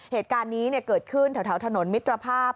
เหตุการณ์นี้เกิดขึ้นแถวถนนมิตรภาพ